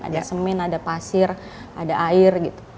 ada semen ada pasir ada air gitu